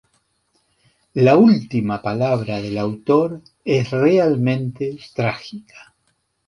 La última palabra del autor es realmente trágica.